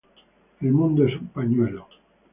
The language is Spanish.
El mundo es un panuelo.